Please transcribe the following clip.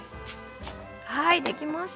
はいできました。